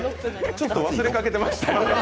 ちょっと忘れかけてましたよね？